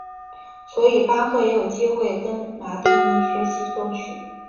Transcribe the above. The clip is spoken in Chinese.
所以巴赫也有机会跟马蒂尼学习作曲。